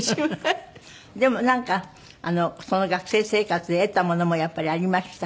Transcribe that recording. でもなんかその学生生活で得たものもやっぱりありました？